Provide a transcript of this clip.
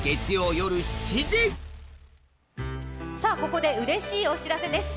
ここでうれしいお知らせです。